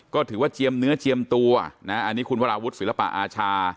ก็ถือว่าเจียมเนื้อเจียมตัวนะอันนี้คุณวราวุฒิศิลปะอาชา